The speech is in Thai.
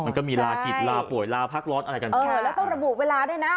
มันก็มีลากิจลาป่วยลาพักร้อนอะไรกันเออแล้วต้องระบุเวลาด้วยนะ